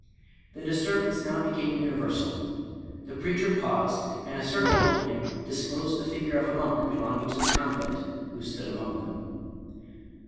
The disturbance now became universal. The preacher paused, and a circle open ing, disclosed the figure of a monk belonging to the convent, who stood among them.